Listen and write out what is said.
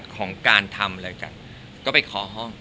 ของการทำอะไรกันก็ไปเคาะห้อง